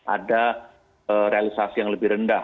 ada realisasi yang lebih rendah